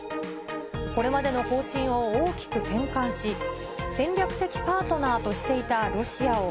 これまでの方針を大きく転換し、戦略的パートナーとしていたロシアを、